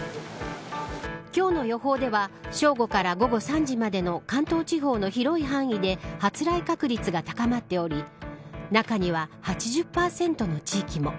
今日の予報では正午から午後３時までの関東地方の広い範囲で発雷確率が高まっており中には８０％の地域も。